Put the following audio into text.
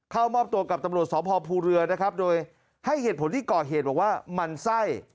เข้ามอบตัวกับตำรวจสพภูเรือนะครับโดยให้เหตุผลที่ก่อเหตุบอกว่ามันไส้